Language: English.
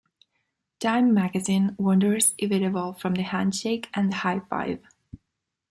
"Time" magazine wonders if it evolved from the handshake and the high-five.